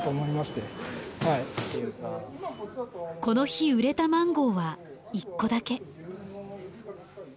この日売れたマンゴーは１個だけ。